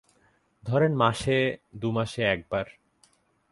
ধরেন মাসে, দুমাসে একবার।